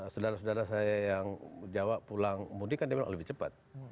saudara saudara saya yang jawa pulang mudik kan dia bilang lebih cepat